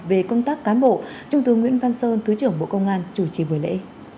về công tác cán bộ trung tướng nguyễn văn sơn thứ trưởng bộ công an chủ trì buổi lễ